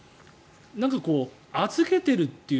預けているという。